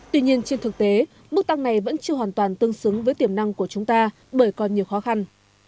tuy nhiên trên thực tế mức tăng này vẫn chưa hoàn toàn tương xứng với tiềm năng của chúng ta bởi còn nhiều khó khăn